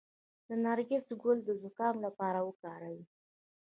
د نرګس ګل د زکام لپاره وکاروئ